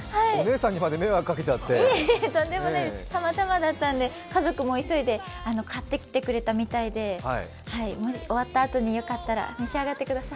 とんでもないです、たまたまだったので、家族も急いで買ってきてくれたみたいで、終わったあとに良かったら召し上がってください。